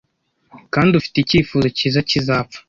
Kandi ufite icyifuzo cyiza kizapfa.